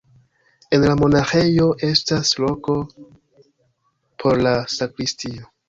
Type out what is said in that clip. En la monaĥejo estas loko por la sakristio.